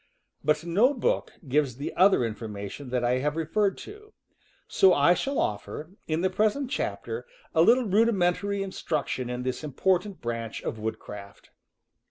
* But no book gives the other information that I have referred to; so I shall offer, in the present chapter, a little rudimentary instruction in this important branch of woodcraft.